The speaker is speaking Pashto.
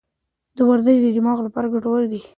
ورزش د دماغ لپاره ګټور دی.